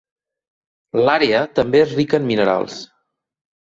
L'àrea també és rica en minerals.